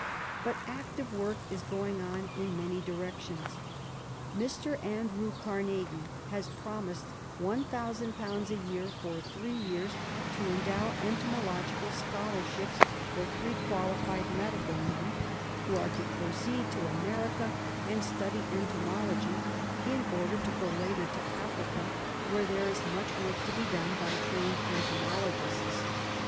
But active work is going on in many directions. Mr. Andrew Carnegie has promised ^1,000 a year for three years to endow entomological scholarships for three qualified medical men, who are to proceed to America and study entomology, in order to go later to Africa, where there ^s much work to be done by trained entomologists.